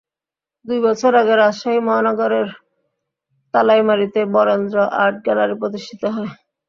দুই বছর আগে রাজশাহী মহানগরের তালাইমারীতে বরেন্দ্র আর্ট গ্যালারি প্রতিষ্ঠিত হয়।